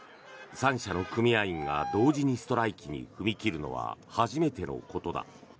３社の組合員が同時にストライキに踏み切るのは初めてのことだ。